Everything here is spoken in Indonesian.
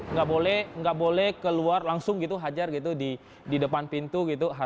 nggak boleh keluar langsung gitu hajar gitu di depan pintu gitu